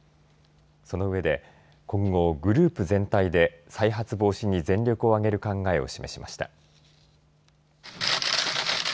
その上で今後、グループ全体で再発防止に全力を挙げる考えを示しました。